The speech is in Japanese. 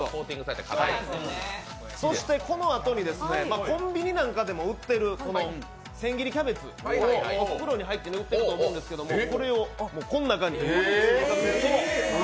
そして、このあとにコンビニなんかでも売ってる千切りキャベツを袋に入っているのが売っていると思うんですけどこれをこの中に。